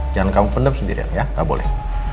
jangan kamu pendam sendirian ya gak boleh